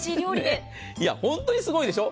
本当にすごいでしょ。